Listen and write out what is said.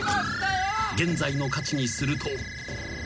［現在の価値にすると］